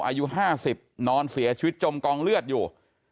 อายุ๕๐นอนเสียชีวิตจมกองเลือดอยู่